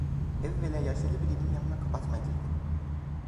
Evvela yaşlıca birinin yanına kapatma girdi.